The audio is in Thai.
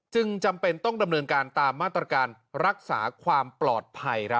จำเป็นต้องดำเนินการตามมาตรการรักษาความปลอดภัย